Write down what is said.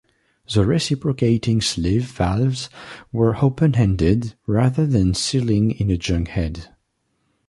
The reciprocating sleeve valves were open-ended, rather than sealing in a junk head.